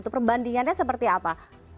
perbandingannya seperti apa